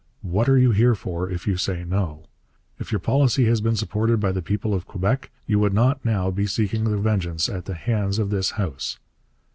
What are you here for if you say No? If your policy had been supported by the people of Quebec, you would not now be seeking vengeance at the hands of this House.'